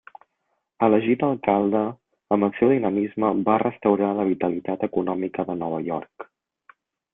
Elegit alcalde, amb el seu dinamisme va restaurar la vitalitat econòmica de Nova York.